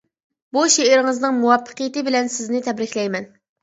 بۇ شېئىرىڭىزنىڭ مۇۋەپپەقىيىتى بىلەن سىزنى تەبرىكلەيمەن.